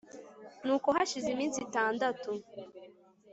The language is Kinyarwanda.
nuko hashize iminsi itandatu